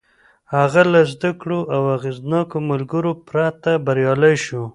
هغه له زدهکړو او اغېزناکو ملګرو پرته بريالی شو.